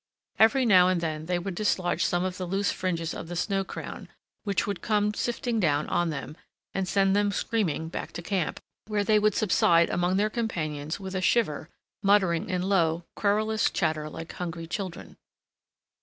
Every now and then they would dislodge some of the loose fringes of the snow crown, which would come sifting down on them and send them screaming back to camp, where they would subside among their companions with a shiver, muttering in low, querulous chatter like hungry children.